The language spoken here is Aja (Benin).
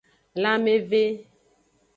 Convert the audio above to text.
Lanmeve.